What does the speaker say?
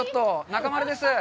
中丸です。